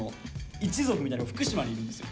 一族みたいのが福島にいるんですよ。